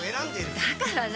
だから何？